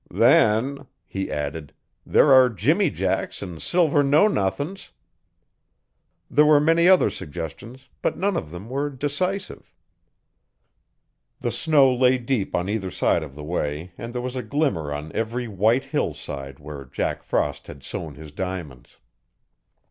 'Then,' he added, 'there are jimmyjacks 'n' silver no nuthin's.' There were many other suggestions but none of them were decisive. The snow lay deep on either side of the way and there was a glimmer on every white hillside where Jack Frost had sown his diamonds.